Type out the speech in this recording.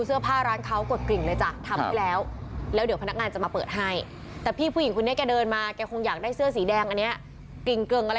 เพราะว่าคนปกติไม่มาถอดเสื้อผ้ามากลางถนนกำมันแบบนี้เนอะ